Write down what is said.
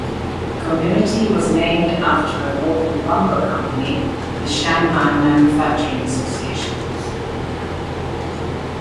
The community was named after a local lumber company, the Shanghai Manufacturing Association.